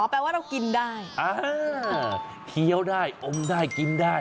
อ๋อหมูแหงว่าเรากินได้เคี้ยวได้อ้มได้กินได้